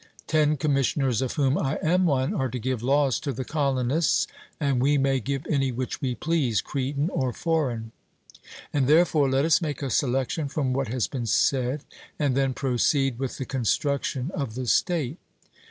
Ten commissioners, of whom I am one, are to give laws to the colonists, and we may give any which we please Cretan or foreign. And therefore let us make a selection from what has been said, and then proceed with the construction of the state.'